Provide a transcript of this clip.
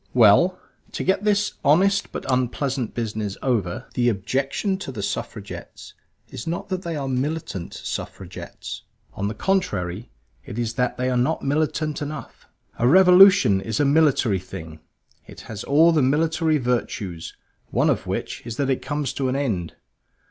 Well, to get this honest but unpleasant business over, the objection to the Suffragettes is not that they are Militant Suffragettes. On the contrary, it is that they are not militant enough. A revolution is a military thing; it has all the military virtues; one of which is that it comes to an end.